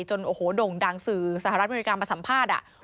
โอ้โหโด่งดังสื่อสหรัฐอเมริกามาสัมภาษณ์